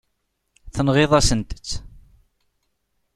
Tenɣiḍ-asent-tt.